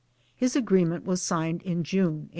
His Agreement was signed in June 1895.